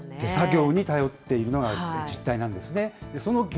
手作業に頼っているのが実態なんですね。